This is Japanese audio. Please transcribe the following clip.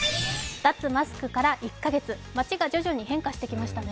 脱マスクから１か月、街が徐々に変化してきましたね。